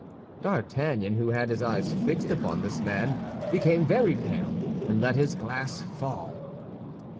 D'Artagnan, who had his eyes fixed upon this man, became very pale, and let his glass fall.